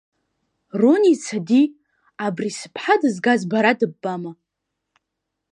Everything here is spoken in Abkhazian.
Роница ди, абри сыԥҳа дызгаз бара дыббама?